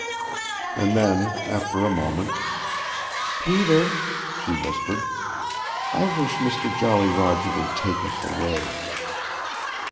And then, after a moment. "Peter," she whispered, "I wish Mister Jolly Roger would take us away!"